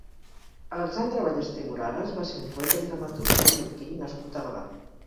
Alexandre Ballester Moragues va ser un poeta i dramaturg mallorquí nascut a Gavà.